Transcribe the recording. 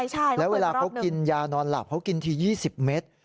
แล้วเวลาเขากินยานอนหลับเขากินที๒๐เมตร